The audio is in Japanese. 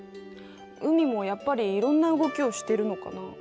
海もやっぱりいろんな動きをしてるのかな？